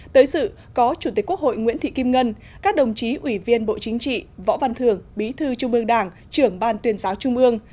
tới sự có chủ tịch quốc hội nguyễn thị kim ngân các đồng chí ủy viên bộ chính trị võ văn thường bí thư trung ương đảng trưởng ban tuyên giáo trung ương